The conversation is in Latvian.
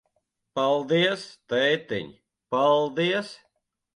Paldies, tētiņ, paldies.